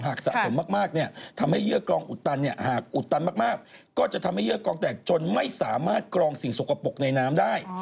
สะสมมากเนี่ยทำให้เยื่อกลองอุดตันเนี่ยหากอุดตันมากก็จะทำให้เยื่อกองแตกจนไม่สามารถกรองสิ่งสกปรกในน้ำได้